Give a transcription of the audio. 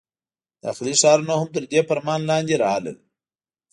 داخلي ښارونه هم تر دې فرمان لاندې راغلل.